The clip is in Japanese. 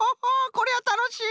これはたのしい！